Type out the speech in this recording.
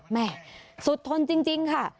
แม่สุดทนจริงค่ะ